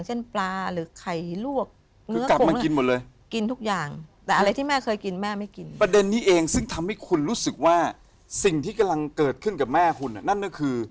สิ่งที่กำลังเกิดขึ้นกับแม่คุณอ่ะนั่นเนี่ยคือ